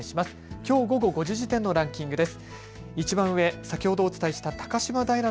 きょう午後５時時点のランキングです。